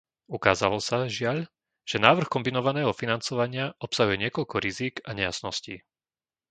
Ukázalo sa, žiaľ, že návrh kombinovaného financovania obsahuje niekoľko rizík a nejasností.